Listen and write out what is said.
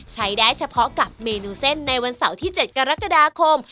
ใช้ได้เฉพาะกับเมนูเส้นในวันเสาร์ที่๗กรกฎาคม